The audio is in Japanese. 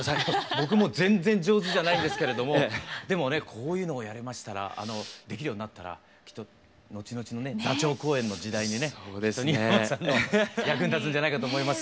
僕も全然上手じゃないんですけれどもでもねこういうのをやれましたらできるようになったらきっと後々のね座長公演の時代にね新浜さんの役に立つんじゃないかと思います。